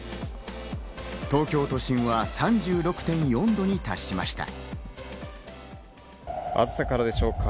東京都心は３６．４度に達しました。